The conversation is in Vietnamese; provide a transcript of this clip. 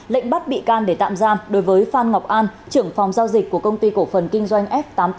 lệnh bắt bị can để tạm giam đối với phan ngọc an trưởng phòng giao dịch của công ty cổ phần kinh doanh f tám mươi tám